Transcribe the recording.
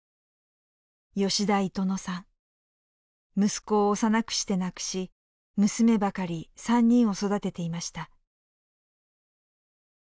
息子を幼くして亡くし娘ばかり３人を育てていました。